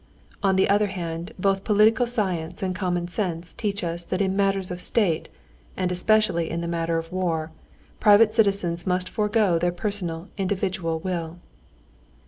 On the other hand, both political science and common sense teach us that in matters of state, and especially in the matter of war, private citizens must forego their personal individual will."